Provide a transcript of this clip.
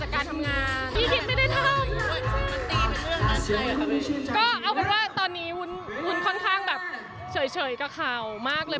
ก็เอาเป็นว่าตอนนี้วุ้นค่อนข้างแบบเฉยกับข่าวมากเลย